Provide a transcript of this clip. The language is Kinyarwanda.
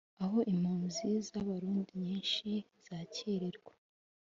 aho impunzi z’Abarundi nyinshi zakirirwa